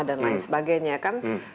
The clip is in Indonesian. dan lain sebagainya